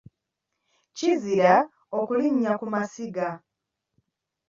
Kizira okulinnya ku masiga.